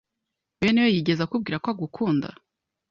Beneyo yigeze akubwira ko agukunda?